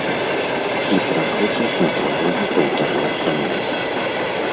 І пра гэта шматразова паўтараў самбіст.